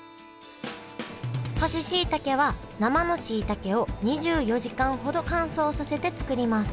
干ししいたけは生のしいたけを２４時間ほど乾燥させて作ります